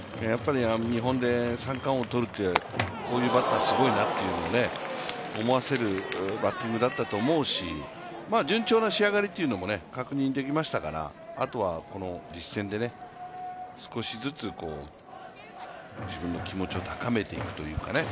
日本で三冠王を取るって、こういうバッター、すごいよねって思わせるバッティングだったと思うし、順調な仕上がりも確認できましたから、あとはもう実戦で少しずつ自分の気持ちを高めていくというかね。